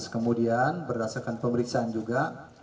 kemudian berdasarkan pemeriksaan juga